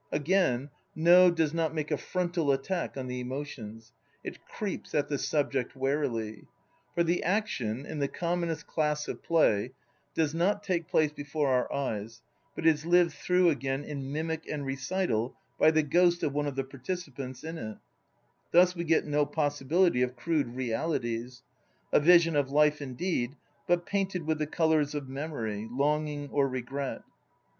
Again, No does not make a frontal attack on the emotions. It creeps at the subject warily. For the action, in the commonest class of play, does not take place before our eyes, but is lived through i in mimic and recital by the ghost of one of the participants in i hus we get no possibility of crude realities; a vision of life indeed, but painted with the colours of memory, longing or regret.